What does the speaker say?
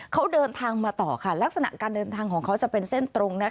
เขาเดินทางมาต่อค่ะลักษณะการเดินทางของเขาจะเป็นเส้นตรง